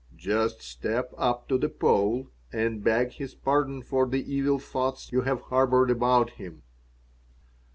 "Just step up to the Pole and beg his pardon for the evil thoughts you have harbored about him."